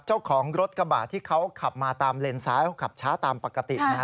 เจ้าของรถกระบะที่เขาขับมาตามเลนซ้ายเขาขับช้าตามปกตินะฮะ